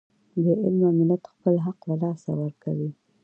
بې علمه ملت خپل حق له لاسه ورکوي.